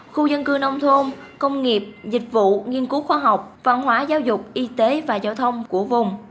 khu dân cư nông thôn công nghiệp dịch vụ nghiên cứu khoa học văn hóa giáo dục y tế và giao thông của vùng